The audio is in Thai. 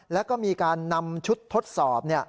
แล้วก็มีการนำชุดทดสอบ